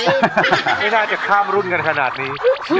ไม่น่าจะข้ามรุ่นกันขนาดนี้